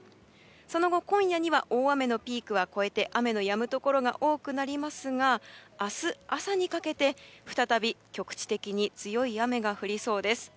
その後、今夜には大雨のピークは越えて雨のやむところが多くなりますが明日朝にかけて再び、局地的に強い雨が降りそうです。